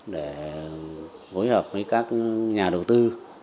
để gối hợp với các nhà đầu tư